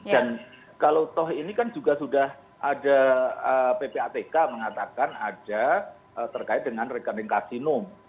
dan kalau toh ini kan juga sudah ada ppatk mengatakan ada terkait dengan rekening kasino